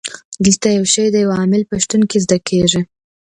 دلته یو شی د یو عامل په شتون کې زده کیږي.